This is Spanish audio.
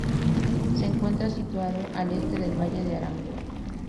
Se encuentra situado al este del valle de Aranguren.